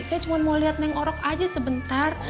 saya cuma mau liat neng orok aja sebentar